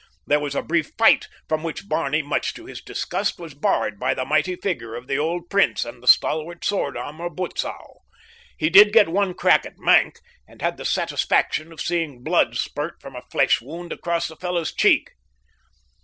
There was a brief fight, from which Barney, much to his disgust, was barred by the mighty figure of the old prince and the stalwart sword arm of Butzow. He did get one crack at Maenck, and had the satisfaction of seeing blood spurt from a flesh wound across the fellow's cheek.